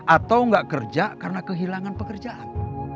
atau enggak kerja karena kehilangan pekerjaan